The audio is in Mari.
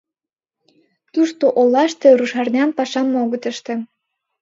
Тушто, олаште, рушарнян пашам огыт ыште.